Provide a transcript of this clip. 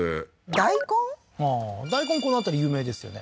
大根この辺り有名ですよね